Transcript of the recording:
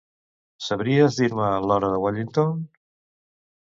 Sabries dir-me l'hora de Wellington?